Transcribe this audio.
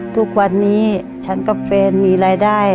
ทุกวันนี้ฉันกับแฟนมีรายได้